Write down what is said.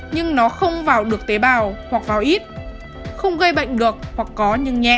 nhưng nó không vào được tế bào hoặc vào ít không gây bệnh được hoặc có nhưng nhẹ